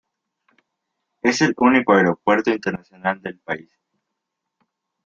Es el único aeropuerto internacional del país.